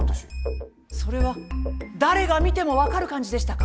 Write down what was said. それは誰が見ても分かる感じでしたか？